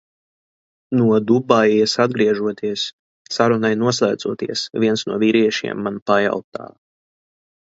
No Dubaijas atgriežoties. Sarunai noslēdzoties, viens no vīriešiem man pajautā.